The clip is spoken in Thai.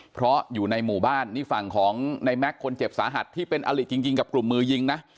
เพราะอยู่ในหมู่บ้านนี่ฝั่งของในแม็กซ์คนเจ็บสาหัสที่เป็นอลิจริงกับกลุ่มมือยิงนะ